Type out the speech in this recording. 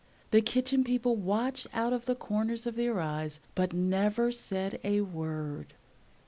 The Kitchen People watched out of the corners of their eyes, but never said a word.